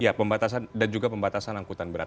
ya pembatasan dan juga pembatasan angkutan berat